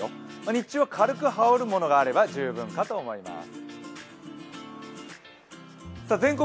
日中は軽く羽織るものがあれば十分かと思います。